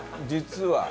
実は。